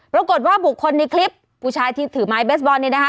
ปรากฏว่าบุคคลในคลิปผู้ชายที่ถือไม้เบสบอลเนี่ยนะคะ